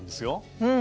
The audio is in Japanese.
うん。